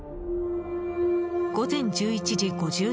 午前１１時５２分。